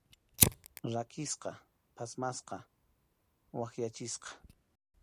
Rakisqa, phatmasqa, wakyachisqa.